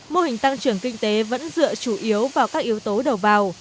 mô hình tăng trưởng kinh tế vẫn dựa chủ yếu vào các yếu tố đầu vào